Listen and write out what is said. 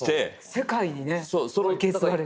世界にね受け継がれてる。